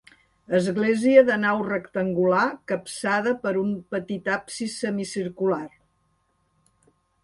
Església de nau rectangular capçada per un petit absis semicircular.